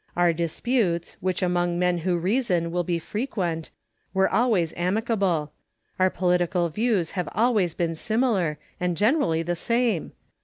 Our disputes, which among men who reason will be frequent, were always amicable ; our political views have always been similar, aid generally the same.